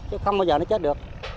chứ không bao giờ nó chết được